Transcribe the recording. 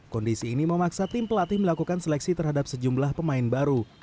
kondisi ini memaksa tim pelatih melakukan seleksi terhadap sejumlah pemain baru